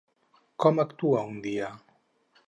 Com actua un dia?